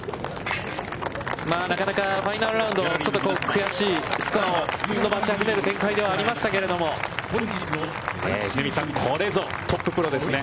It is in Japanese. なかなかファイナルラウンド、ちょっと悔しいスコアを伸ばしあぐねる展開ではありましたけど、秀道さん、これぞトッププロですね。